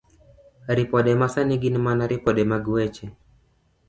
Ripode Masani Gin mana ripode mag weche